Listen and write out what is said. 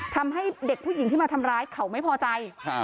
ทำให้เด็กผู้หญิงที่มาทำร้ายเขาไม่พอใจ